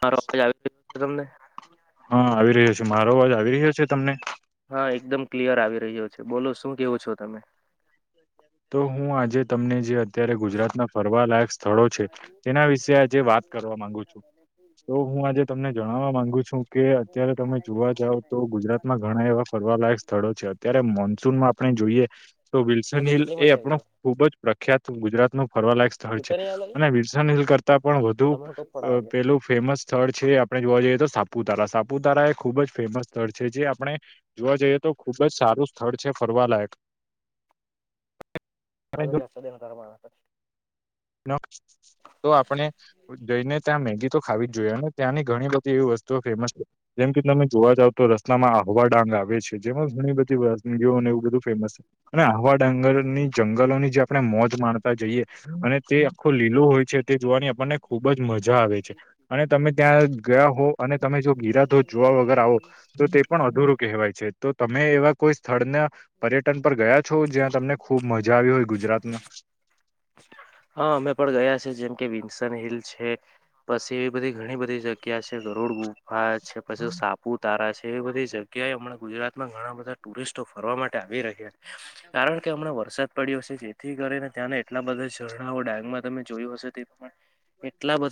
હા, રોજ આવી ગ તમને હા આવી રહ્યો છે. મારો અવાજ આવી રહ્યો છે. તમને હા એકદમ ક્લિયર આવી રહ્યો છે બોલો શું કેવું છો. તમે તો હું આજે તમને જે અત્યારે ગુજરાત ના ફરવા લાયક સ્થળો છે. તેના વિશે આજે વાત કરવા માંગુ છુ. તો હું આજે તમને જણાવવા માંગુ છુ. કે અત્યારે તમે જોવા જાવ તો ગુજરાત ઘણા એવા ફરવાલાયક સ્થળો છે અત્યારે મોન્સૂનમાં આપણે જોઈએ તો વિલ્સન ઓકે, હિલ કેટલી મજા આવી ખુબ જ પ્રખ્યાત ગુજરાત નું ફરવા લાગશે સ્થળ તો છે નહી આવે અને બલસન હિલ કરતા પણ વધુ તમારો ટોપ પડાવ પેલુ ફેમસ સ્થળ છે આપણે જોવા જઈએ તો સાપુતારા સાપુતારા એ ખુબ જ ફેમસ સ્થળ છે. જે આપણે જોવા જઈએ તો ખુબ જ સારું સ્થળ છે ફરવાલાાયક અને ના જો જાસ્ત દે કરવા તો આપણે જઈને ત્યાં મેગી તો ખાવી જ જોઈએ અને ત્યાંની ઘણી બધી એવી વસ્તુઓ ફેમસ છે. જેમ કે તમે જોવા જાવ તો રસ્તામાં આહવા ડાંગ આવે છે જેમાં ઘણી બધી જોવન એવું બધું ફેમસ છે. અને આવા ડંગરની જંગલોની જે આપણે મોજ માણતા જઈએ અને તે આખો લીલો હોય છે. તે જોવાની મને ખુબ જ મજા આવે છે. અને તમે ત્યાં ગયા હો અને તમે જો ગિરાધો જોવા વગર આવો તો તે પણ અધૂરું કહેવાય છે. તો તમે એવા કોઈ સ્થળના પર્યટન પર ગયા છો જ્યાં તમને ખુબ મજા આવી હોય ગુજરાતમા હા અમે પણ ગયા છે. જેમ કે વિ લ છે પછી એવી બધી ઘણી બધી જગ્યા છે. ગરડ ગુફા છે પછી સાપ પુતારા છે. એ બધી જગ્યાએ હમણાં ગુજરાતમાં ઘણા બધા ટુરિસ્ટો ફરવા માટે આવી રહ્યા કારણ કે હમણાં વરસાદ પડ્યો હશે જે થી કરીને ત્યાંને એટલા બધા ઝરણાઓ ડાંગમાં તમે જોયું હશે તે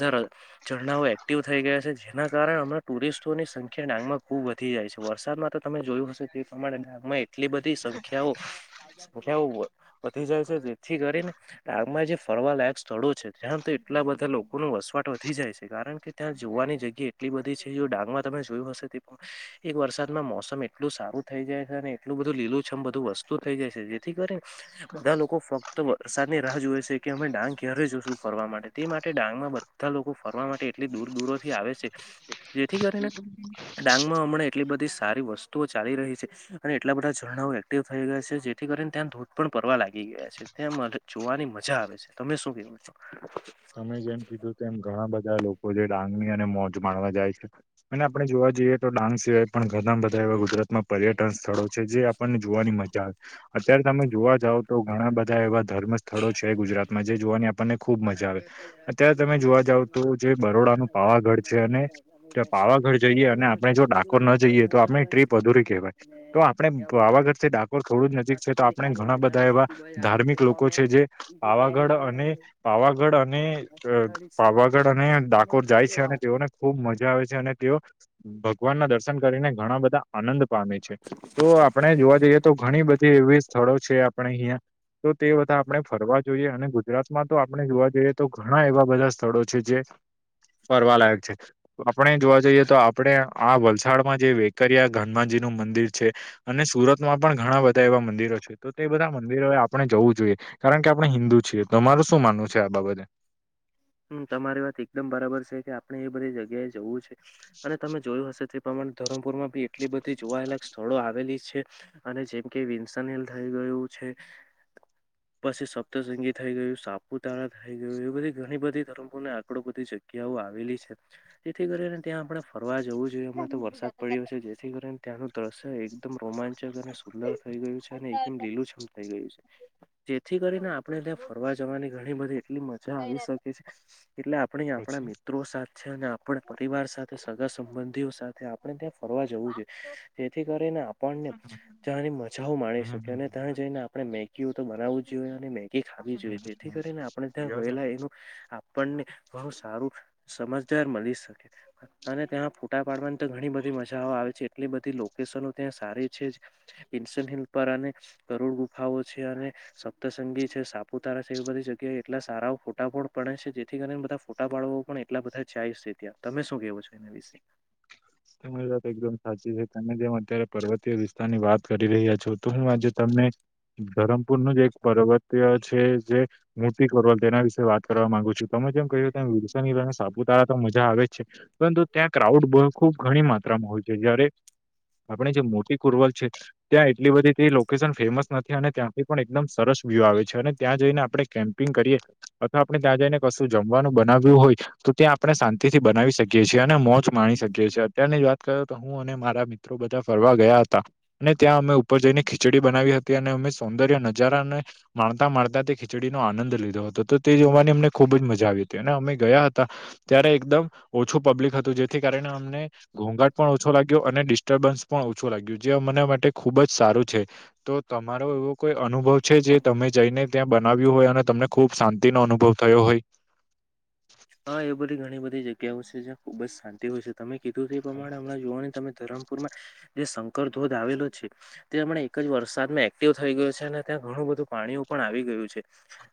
બ વધ રણાઓ એક્ટિવ થઈ ગયા છે. જેના કારણે હમણા ટુરિસ્ટોની સંખ્યા ડાંગમાં ખૂબ વધી જાય છે વરસાદમાં તો તમે જોયું હશે તે પ્રમાણે ડાગમાંય એટલી બધી, સંખ્યાઓ સંખ્યાઓ વધી જાય છે જેથી કરીને આગમાં જે ફરવા લાયક સ્થળો છે. ત્યાં તો એટલા બધા લોકોનો વસવાટ વધી જાય છે કારણ કે ત્યાં જોવાની જગ્યા એટલી બધી છે જે ડાંગમાં તમે જોયું હશે તે પણ એક વરસાદમાં મોસમ એટલું સારું થઈ જાય છે અને એટલું બધું લીલું છમ બધું વસ્તું થઇ જાય છે જેથી કરી ને બધા લોકો ફક્ત વરસાદની રાહ જોવે છે કે અમે ડાંગ ક્યારે જોશું ફરવા માટે તે માટે ડાંગમાં બધા લોકો ફરવા માટે એટલી દૂર દૂરોથી આવે છે જેથી કરીને ડાંગ હમણાં એટલી બધી સારી વસ્તુઓ ચાલી રહી છે. અને એટલા બધા ઝરણાઓ એક્ટિવ થઈ ગયા છે જેથી કરીને ત્યાં ધોધ પણ પરવા લાગી ગયા છે. એમ જોવાની મજા આવે છે તમે શું કેવું છો? તમે જેમ કીધું એમ ઘણા બધા લોકો જે ડાન્ મ અને મોજ માણવા જાય છે. અને આપડે જોવા જઈએ તો ડાંગ સિવાય પણ ઘણા બધા એવા ગુજરાતમાં પર્યટન સ્થળો છે જે આપણને જોવાની મજા આવે અત્યારે તમે જોવા જાવ તો ઘણા બધા એવા ધર્મ સ્થળો છે ગુજરાતમાં જે જોવાની આપણને ખુબ મજા આવે અત્યારે તમે જોવા જાવ તો જે બરોડાનું પાવાગઢ છે અને ત પાવાગઢ જઈએ અને આપણે જો ડાકોર ન જઈએ તો આપણી ટ્રીપ અધુરી કહેવાય તો આપડણે પાવાગઢથી ડાકોર થોડું જ નજીક તો આપણે ઘણા બધા એવા ધાર્મિક લોકો છે જે પાવાગઢ અને પાવાગઢ પાવાગઢ અને ડાકોર જાય છે અને તેઓને ખુબ મજા આવે છે અને તેઓ ભગવાન ના દર્શન કરીને ઘણા બધા આનંદ પામે છે તો આપણે જોવા જઈએ તો ઘણી બધી એવી સ્થળો છે, આપણે અહિયા તો તે બધા આપણે ફરવા જોઈએ અને ગુજરાતમાં તો આપણે જોવા જઈએ. તો ઘણા એવા બધા સ્થળો છે જે ફરવાલાાયક છે આપણે જોવા જઈએ તો આપણે આ વલસા થાળમાં જે વેકરિયા હનુમાનજી નું મંદિર છે અને સુરત માં પણ ઘણા બધા એવા મંદિરો છે. તો તે બધા મંદિરો આપણે જવું જોઈએ કારણ કે આપણે હિન્દુ છીએ તો મારું શું માનવું છે આ બાબતે હમ તમારી વાત એકદમ બરાબર છે કે આપણે એ બધી જગ્યાએ જવું છે અને તમે જોયું હશે તે પ્રમાણે ધરમપુરમાં બી એટલી બધી જોવાલાયક સ્થળો આવેલી છે અને જેમ કે વિન્સન હેલ થઈ ગયું છે. પછી સપ્તસંગી થઈ ગયું સાપુતારા થઈ ગયું એવી બધી ઘણી બધી ધર્મોને આંકડો વધી શક જગ્યાઓ આવેલી છે જેથી કરીને ત્યાં આપણે ફરવા જવું જોઈએ એમમાં તો વરસાદ પડ્યો છે જેથી કરીને ત્યાંનું દ્રશ્ય એકદમ રોમાંચક અને સુંદર થઈ ગયું છે અને એકદમ લીલુંછમ થઇ ગયું છે. જેથી કરીને આપણે ત્યાં ફરવા જવાની ઘણી બધી એટલી મજા આવી શકે છે. એટલે આપણે આપણા પછી મિત્રો સાથે અને આપણા પરિવાર સાથે સગા સંબંધીઓ સાથે આપણે ત્યાં ફરવા જવું જોઈએ જેથી કરીને આપણને ત્યાંની મજાઓ માણી હમ શકે અને હમ ત્યાં જઈને આપણે મેગી બનાવી જોઈએ અને મેગી ખાવી જોઈએ જેથી હમ કરીને આપણે ત્યાં લ્યો છે. ગયેલા એનું આપને બહુ સારું સમજદાર મળી શકે અને ત્યાં ફોટા પાડવાની તો ઘણી બધી મજ મજા આવે છે એટલી બધી લોકેશનો ત્યાં સારી છે. પિન્શન હિલ પર અને કરોડ ગુફાઓ છે અને સપ્તસંગી છે સાપુતારા છે એવી બધી જગ્યાએ એટલા સારા ફોટા પણ પડે છે જેથી કરીને બધા ફોટા પાડો પણ એટલા બધા જાય છે ત્યાં તમે શું કેવો છો એના વિશે [inaudible] તમારી વાત એકદમ સાચી છે તમે જેમ અત્યારે પર્વતીય વિસ્તાર ની વાત કરી રહ્યા છો તો હું આજે તમને ધરમપુર નું જ એક પર્વતીય છે જે મૂર્તિ કરલ તેના વિશે વાત કરવા માંગુ છું તમે જેમ કહ્યું વિરસની સાપુતારા તો મજા આવે જ છે. બ [inaudible] ત્યાં ક્રાઉડ ખુબ ઘણી માત્રામાં હોય છે જયારે આપણે જે મોટી કુરવલ છે ત્યાં એટલી બધી લોકેશન ફેમસ નથી અને ત્યાં પણ એકદમ સરસ વ્યૂ આવે છે અને ત્યાં જઈને આપણે કેમ્પિંગ કરીએ અથવા આપણે ત્યાં જઈને કશું જમવાનું બનાવ્યું હોય તો ત્યાં આપણે શાંતિથી બનાવી શકીએ છીએ. ને મોજ માણી શક્યો છે અત્યારની જ વાત કર તો હુ, અને મારા મિત્રો બધા ફરવા ગયા હતા અને ત્યાં અમે ઉપર જઈને ખીચડી બનાવી હતી અને અમે સૌંદર્ય નજારા અને માણતા માણતા તે ખીચડીનો આનંદ લીધો હતો તો તે જોવાની અમને ખૂબ જ મજા આવી હતી અને અમે ગયા હતા ત્યારે એકદમ ઓછું પબ્લિક હતું જેથી કારણે અમને ઘોંઘાટ પણ ઓછો લાગ્યો અને ડિસ્ટર્બન્સ પણ ઓછું લાગ્યું જે મને માટે ખુબ જ સારું છે. તો તમારો એવો કોઈ અનુભવ છે જે તમે જઈને ત્યાં બનાવ્યું હોય અને તમને ખુબ શાંતિ નો અનુભવ થયો હોય. હા એ બધી ઘણી બધી જગ્યાઓ છે જ્યાં ખુબ જ શાંતિ હોય છે. તમે કીધું એ પ્રમાણે હમણાં જોવાની તમે ધરમપુરમાં જે શંકર ધોધ આવેલો છે. તે એક જ વરસાદમાં એક્ટિવ થઈ ગયો છે, અને ત્યાં ઘણું બધું પાણીઓ પણ આવી ગયું છે.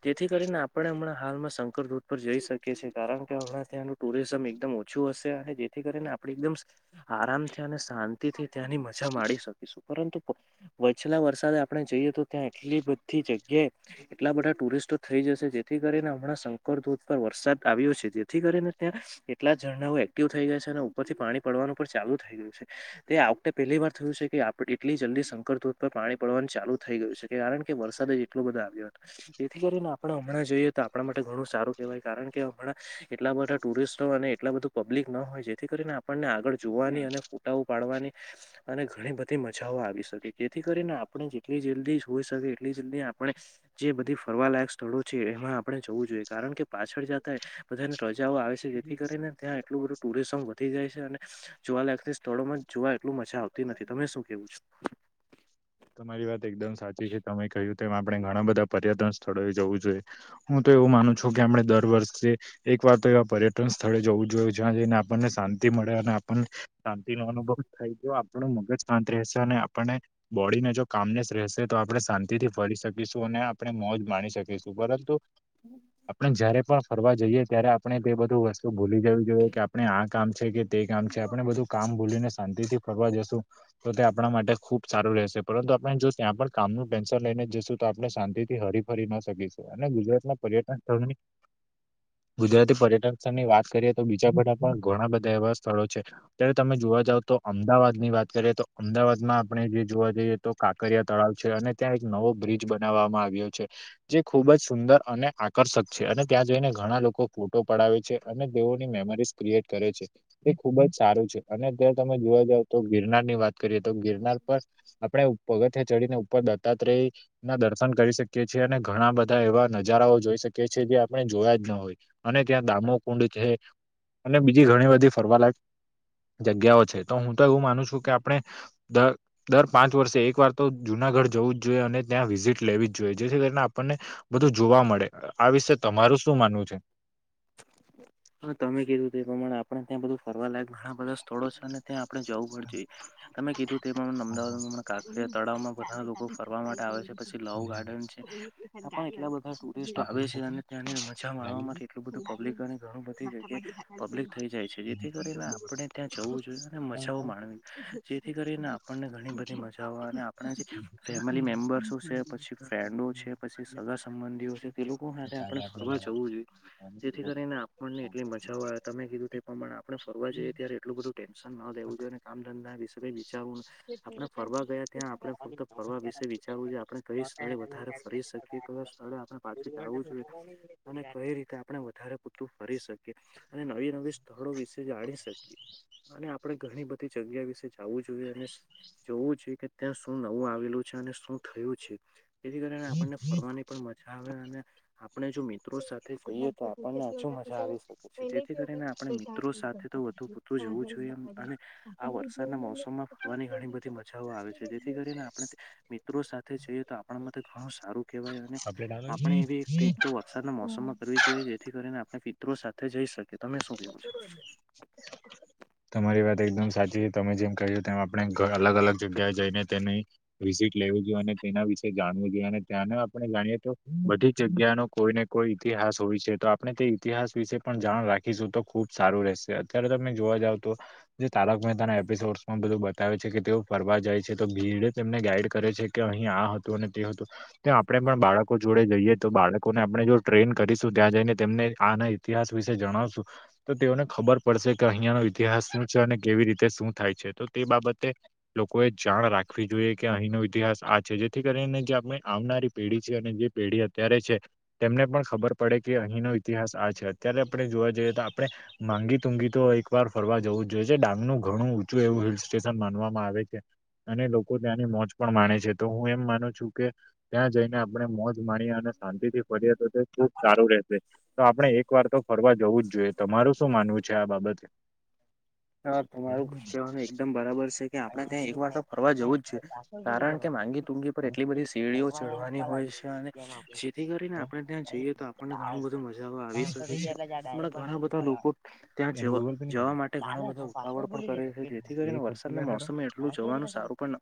જેથી કરીને આપડણે હમણાં હાલમાં શંકર ધૂધ પર જઈ શકીએ કારણ કે હમણાં ત્યાંનું ટુરિઝમ એકદમ ઓછું, હશે અને જેથી કરીને આપણે એકદમ આરામથી અને શાંતિ થી ત્યાંની મજા માણી શકીશું પરંતુ વછલા વરસાદ આપણે જઈએ તો ત્યાં એટલી બધી જગ્યાએ એટલા બધા ટુરિસ્ટો થઈ જશે જેથી કરીને હમણાં શંકર ધૂધ પર વરસાદ આવ્યો છે, જેથી કરીે ને ત્યાં કેટલા ઝરણાઓ એક્ટિવ થઈ ગયા છે અને ઉપરથી પાણી પડવાનું પણ ચાલુ થઈ ગયું છે. તે આવતે પહેલી વાર થયું છે કે એટલી જલ્દી શંકર ધધ પર પાણી પડવાનું ચાલુ થઈ ગયું છે, કારણ કે વરસાદે એટલો બધા આવ્યો હતા એથી કરીને આપણે હમણાં, જઈએ તો આપણા માટે ઘણું સારું કહેવાય કારણ કે કે એટલા બધા ટુરિસ્ટ એટલા બધું પબ્લિક ન હોય જેથી કરીને આપણને આગળ જોવાની અને ફોટાઓ પાડવાની અને ઘણી બધી મજાઓ આવી શકે જેથી કરીને આપણે જેટલી જલ્દી જોઈ શકી એટલી જલ્દી આપણ જે બધી ફરવાલાાયક સ્થળો છે એમાં આપણે જવું જોઈએ કારણ કે પાછળ બધાને રજાઓ આવે છે, જેથી કરીને ત્યાં એટલું બધું ટુરિઝમ [unintelligible] જાય છે અને જોવા લયક સ્થળોમાં જોવા એટલું મજા આવતી નથી તમે શું કેવું છ. તમારી વાત એકદમ સાચી છે તમે કહ્યું તેમ આપણે ઘણા બધા પર્યટન સ્થળોએ જવું જોઈએ હુ તો એવું માનું છુ. કે આપણે દર વર્ષે એક વાત તો એવા પર્યટન સ્થળે જવું જોયએ જ્યાં જઈને આપણને શાંતિ મળે અને આપણને શાંતિ નો અનુભવ થાય [unintelligible] આપણું મગજ શાંત રહેશે અને આપને બોડીને જો કામનેસ રહેશે તો આપણે શાંતિથી ફરી શકીશું અને આપણે મોજ માણી શકીશું પરંતુ આપણે જયારે પણ ફરવા જઈએે ત્યારે આપણે તે બધું વસ તો ભૂલી જવું જોઈએ કે આપણે આ કામ છે. કે તે કામ છે આપણે બધું કામ ભૂલીને શાંતિ થી ફરવા જશું તો તે આપણા માટે ખૂબ સારું રહેશે પરંતુ આપણે જો ત્યાં પણ કામનું ટેન્શન લઈને જશું તો આપણે શાંતિથી હરીફરી ના શકીશુ અને ગુજરાત ના પર્યટન સ્થળની ગુજરાતી પર્યટન સ્થળની વાત કરીએ તો બીજા બધા પણ ઘણા બધા એવા સ્થળો છે. અત્યારે તમે જોવા જાવ તો અમદાવાદ ની વાત કરીએ તો અમદાવાદમા આપણે જે જોવા જઈએ તો કાંકરિયા તળાવ છે અને ત્યાં એક નવો બ્રિજ બનાવવામાં આવ્યો છે. જે ખૂબ જ સુંદર અને આકર્ષક છે અને ત્યાં જઈને ઘણા લોકો ફોટો પડાવે છે. અને તેઓની મેમરીઝ ક્રિએટ કરે છે. એ ખુબ જ સારું છે અને અત્યારે તમે જોવા જાવ તો ગિરનાર ની વાત કરીએ તો ગિરનાર [unintelligible] આપડણે પગથિયા ચડીને ઉપર દત્તાત્રેય [unintelligible] ના દર્શન કરી શકીએ છીએ અને ઘણા બધા એવા નજારાઓ જોઈ શકીએ છીએ જે આપણે જોયા જ ના હોય. અને ત્યાં દામોકુંડ છે, અને બીજી ઘણી બધી ફરવા લક જગ્યાઓ છે. તો હું તો એવું માનું છુ, કે આપણે દર પાંચ વર્ષે એક વાર તો જુનાગઢ જવું જ જોઈએ અને ત્યાં વિઝિટ લેવી જ જોઈએ જેથી કરીને આપણને બધું જોવા મળે આ વિશે તમારું શું માનવું છે. હ તમે કીધું તે એ પ્રમાણે આપણે ત્યાં બધું ફરવા લાયક ઘણા બધા સ્થળો છેને ત્યાં આપણે જવું પડ જોઈએ તમે કીધુ તે અમદાવાદમાં કાકરિયા તળાવમાં બધા લોકો ફરવા માટે આવે છે પછી લવ ગાર્ડન છે ત્યાં પણ એટલા બધા ટુરિસ્ટ આવે છે અને ત્યાંની મજા માણવા માટે એટલું બધું પબ્લિક અને ઘણું બધી જગ્યાએ પબ્લિક થઈ જાય છે જેથી કરીને આપણે ત્યાં જવું જોઈએ અને મજાઓ માણવી જેથી કરીને આપણને ઘણીધી મજા અને આપણા જે ફેમિલી મેમ્બર્સો છે પછી ફ્રેન્ડો છે પછી સગા સંબંધીઓ છે એ લોકો માટે આપણે ફરવા જવું જોઈએ જેથી કરીને આપણને એટલી મજા આવે તમે કીધું તે પ્રમાણે આપણે ફરવા જઈએ ત્યારે એટલું બધું ટેન્શન ન લેવું જોઈએને કમ ધંધા એ સ વિચારું આપણે ફરવા ગયા ત્યાં આપણે ફક્ત ફરવા વિશે વિચારવું જોએ આપણે કઈ સ્થળે વધારે ફરી શકીએ ક સ્થળે પાછી જું જોઈએ અને કઈ રીતે આપણે વધારે પૂતરું ફરી શકીએ અને નવી નવી સ્થળો વિશે જાણી શકીએ અને આપડે ઘણી બધી જગ્યા વિશે જું જોઈએ અને જોવું જોઈએ કે ત્યાં શું નવું આવેલું છે અને શું થયું છે તેથી કરીને આપણને ફરવાની પણ મજા આવે અને આપણે જો મિત્રો સાથે કઈએ તો આપણને હછુ મજા આવી શકે છે જેથી કરીને આપણે મિત્રો સાથે તો વધુ પૂતું જવું જોઈએ એમ અને આ વરસાદના મોસમમાં ફરવાની ઘણી બધી મજાઓ આવે છે જેથી કરીને આપણે મિત્રો સાથે જઈએ તો આપણા માટે ઘણું સારું કેહેવાય અને આપણે એવી એક ટ્રીપ તો વરસાદના મોસમમાં કરવી જોઈએ જેથી કરીને આપણે પિત્રો સાથે જઈ શકીએ તમે શું કેવો છો તમારી વાત એકદમ સાચી છે તમે જેમ કહ્યું તેમ આપણે અલગ અલગ જગ્યાએ જઈને તેની વિઝિટ લેવું જોઈએ અને તેના વિશે જાણવું જોઈએ અને ત્યાંને આપણે જાણીએ તો બધી જગ્યાનો કોઈ ને કોઈ ઇતિહાસ હોય છે તો આપણે તે ઇતિહાસ વિશે પણ જાણ રાખી શખીશું તો ખુબ સારું રહેશે અત્યારે તમે જોવા જાવ તો જે તારક મહેતાના એપિસોડમાં બધું બતાવે છે કે તેઓ ફરવા જાય છે તો ભીડ તેમને ગાઈડ કરે છે કે અહીં આ હતું અને તે હતું તો આપણે પણ બાળકો જોડે જઈએ તો બાળકોને આપણે જો ટ્રેન કરીશું ત્યાં જઈને તેમને આ નહી ઇતિહાસ વિશે જણાવશું તો તેઓને ખબર પડશે કે અહિયાંનો ઇતિહાસ શું છે અને કેવી રીતે શું થાય છે તો તે બાબતે લોકો એ જાણ રાખવી જોઈએ કે અહીંનો ઇતિહાસ આ છે જેથી કરીને જે આપણે આવનારી પેઢી છે અને જે પેઢી અત્યારે છે તેમને પણ ખબર પડે કે અહીંનો ઇતિહાસ આ છે અત્યારે આપણે જોવા જઈએ તો આપણે માંગી તુંગી તો એક વાર ફરવા જવું જ જોઈએ છે ડાંગનુંું ઘણું ઊંચું એવું હિલ સ્ટેશન માનવામાં આવે છે અને લોકો ત્યાંની મોજ પણ માણે છે તો હું એમ માનું છું કે ત્યાં જઈને આપણે મોજ માણીએ અને શાંતિ થી ફરીએ તો તે ખુબ સારું રહેશે તો આપડણે એક વાર તો ફરવા જવું જ જોઈએ તમારું શું માનવું છે આ બાબતે હા તમારું કહેવાનું એકદમ બરાબર છે કે આપડે ત્યાં એક વાર તો ફરવા જવું જ છે કારણ કે માંગી ટુંગી પર એટલી બધી સેડીીઓ ચઢવાની હોય છે અને જેથી કરીને આપણે ત્યાં જઈએ તો મને ઘણું બધું મજા આવી શકે છે હમણાં ઘણા બધા લોકો ત્યાં એને જવા ગૂગલ પે નહી જવા ખબર માટે એ ઘણા બધા ઉતાવળ પણ કરે છે જેથી એ કરીને ખર્ચી વરસાદના ગયા ખરા મોસમે એટલું જવાનું સારું પણ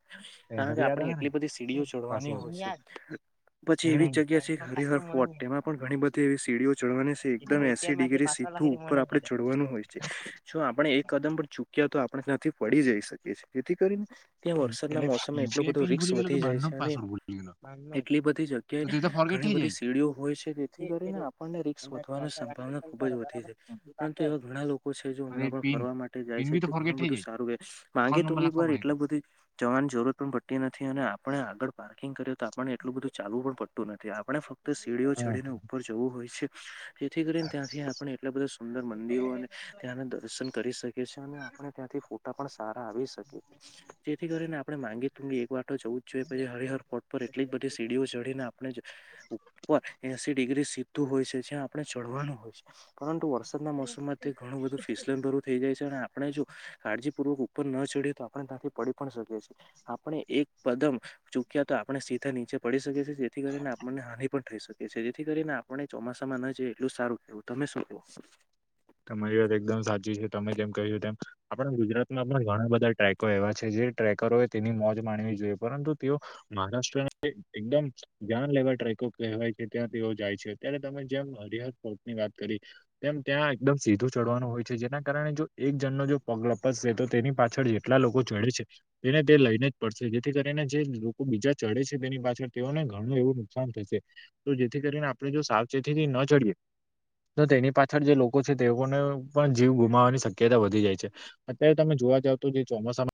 એને કારણ તો કે યાદ આપણે આવે ને એટલી બધી સીડીઓ ચડવાની પાસવર્ડ હોય છે પછી એને એવી જગ્યા છે હરિહર ફોર્ટ તેમાં પણ ઘણી બધી એવી સીડીઓ જળવાની છે એકદમ એસી ડિગ્રી ઉપ આપડણે જોોડવાનું હોય છે જો આપણે એક કદમ પણ ચૂક્યા તો આપણે ત્યાંથી પડી જઈ શકીએીએ જેથી કરીને ત્યાં વરસાદના એટલે મોસમમાં એટલું યુપીઆઈ બધો પિન રી્સ ભૂલી ગયેલો વધી કે જાય બારનો છે અને પાસવર્ડ ભૂલી ગયેલો એટલી બધી જ કે તો તે તો ફોર્ગેટ ઘણી થઈ બધી સીડીઓ હોય છે તેથી કરીને આપણને રી્સ વધવાની સંભાવના ખુબ જ વધી છે પરંતુ એવા ઘણા લોકો છે જાય પિન ફરવા માટે જાય પિન છે બી તો તે ફોર્ગેટ ઘણું થઈ બધું જાય સારું માંગ અકાઉન્ટ નંબર લખવા તુંીર પડે એટલા બધા જવાની જરૂરત પણ પડતી નથી અને આપણે આગળ પાર્કિંગ કર તો આપણને એટલું બધું ચાલવું પણ પડ નથી આપણે ફક્ત સીડીઓ હા ચડીને ઉપર જવું હોય છે જેથી કરીને ત્યાંથી આપણે એટલા બધા સુંદર મંદિરો અને ત્યાંના દર્શન કરી શકીએ અને આપણે ત્યાંથી ફોટા પણ સારા આવી શકીએ છ. જેથી કરીને આપણે ગી તું એક વાટો જવ જ જોઈએ પછી હર હર ફોટ પર એટલી જ બધી સીડીઓ આપણે ઉપર એસી ડિગ્રી સીધું હોય છે. આપ ચડવાનું હોય છે પરંતુ વરસાદના મોસમમાં ઘણું બધું ફિસલે થઈ જાય છે અને આપણે જો કાળજીપૂર્વક ઉપર ન ચડએ તો આપણે ત્યાંથી પડી પણ શકીએ છીએ આપણે એક કદમ ચૂક્યા તો આપણે સીધા નીચે પડી શકીએ છીએ જેથી કરીને આપણને હાનિ પણ થઈ શકે જેથી કરીને આપણને ચોમાસામાં ન જ એટલું જ સારું કેવું તમે શું કહો તમારી વાત એકદમ સાચી છે તમે જેમ કહ છો. તેમ આપણા ગુજરાતમાં પણ ઘણા બધા ટ્રેકો એવા છે. જે ટ્રેકરોએ તેની મોજ માણવી જોઈએ પરંતુ તેઓ મહારાષ્ટ્ર એકદમ જાન લેવા ટ્રેકો કહેવાય છે ત્યાં તેઓ જાય છે. અત્યારે તમે જેમ હરહર પોર્ટ ની વાત કરી એમ ત્યાં એકદમ સીધું ચડવાનું હોય છે જેના કારણે જો એક જણનો જો પગ લપસશે તો તેની પાછળ જેટલા લોકો ચડે છે. તેને તે લઈને જ પડશે જેથી કરીને જે લોકો બીજા ચડે છે. તેની પાછળ તેઓને ઘણું એવું નુકસાન થશે તો જેથી કરીને આપણે જો સાવચેતીથી ન ચડીએ તો તેની પાછળ જે લોકો છે. તેઓને પણ જીવ ગુમાવવાની શક્યતા વધી જાય છે અત્યારે તમે જોવા જાવ તો જે ચોમાસામા